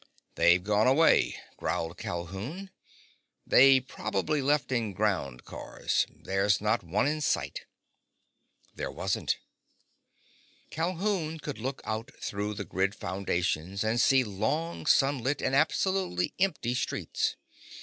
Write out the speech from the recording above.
"They've gone away," growled Calhoun. "They probably left in ground cars. There's not one in sight." There wasn't. Calhoun could look out through the grid foundations and see long, sunlit and absolutely empty streets.